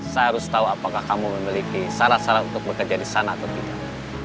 saya harus tahu apakah kamu memiliki syarat syarat untuk bekerja di sana atau tidak